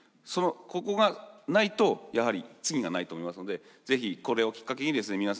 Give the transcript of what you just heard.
そのここがないとやはり次がないと思いますので是非これをきっかけにですね